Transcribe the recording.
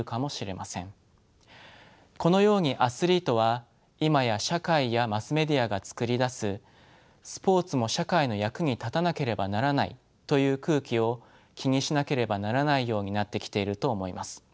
このようにアスリートは今や社会やマスメディアが作り出す「スポーツも社会の役に立たなければならない」という空気を気にしなければならないようになってきていると思います。